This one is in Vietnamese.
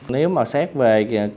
nếu mà xét về